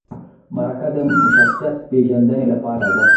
مرکه د شخصیت پیژندنې لپاره ده